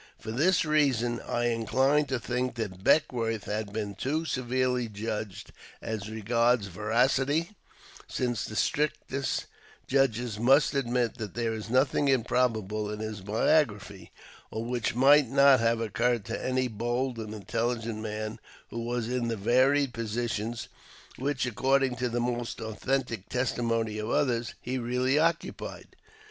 For this reason I incline to think that Beckwourth has been too severely judged as regards veracity, since the strictest judges must admit that there is nothing improbable in his biography, or which might not have occurred to any bold and intelligent man who was in the varied positions which, according to the most authentic testimony of others, he really occupied.